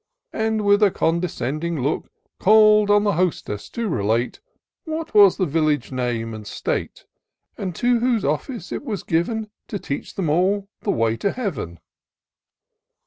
And with a condescending look, Call'd on the Hostess to relate What was the village name and state ; And to whose office it was given To teach them all the ways to Heav'n.